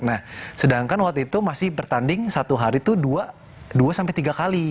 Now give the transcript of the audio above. nah sedangkan waktu itu masih bertanding satu hari itu dua sampai tiga kali